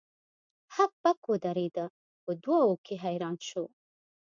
هک پک ودریده په دوه وو کې حیران شو.